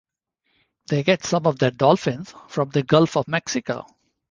They get some of their dolphins from the Gulf of Mexico.